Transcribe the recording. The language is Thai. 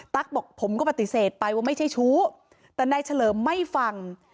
บอกผมก็ปฏิเสธไปว่าไม่ใช่ชู้แต่นายเฉลิมไม่ฟัง